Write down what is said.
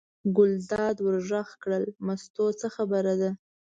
ګلداد ور غږ کړل: مستو څه خبره ده.